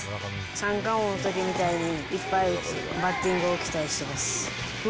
三冠王のときみたいに、いっぱい打つバッティングを期待します。